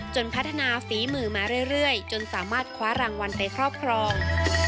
พัฒนาฝีมือมาเรื่อยจนสามารถคว้ารางวัลไปครอบครอง